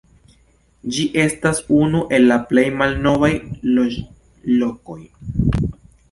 Ĝi estas unu el la plej malnovaj loĝlokoj.